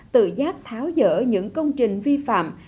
tự giác tháo dỡ những công trình vi phạm